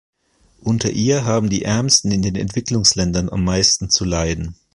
Unter ihr haben die Ärmsten in den Entwicklungsländern am meisten zu leiden.